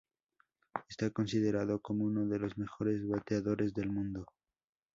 Está considerado como uno de los mejores bateadores del mundo.